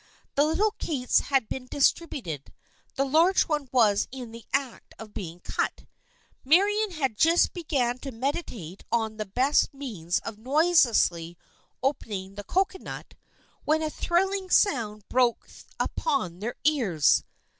The little cakes had been distributed, the large one was in the act of being cut, Marian had just begun to meditate on the best means of noiselessly opening the cocoanut, when a thrilling sound broke upon their ears.